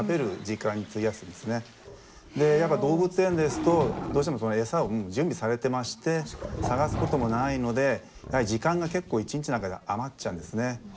やっぱ動物園ですとどうしてもエサを準備されてまして探すこともないので時間が結構一日の中で余っちゃうんですね。